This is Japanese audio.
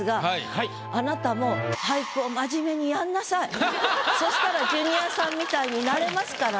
あなたもそしたらジュニアさんみたいになれますからね。